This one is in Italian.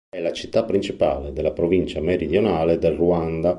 È la città principale della Provincia Meridionale del Ruanda.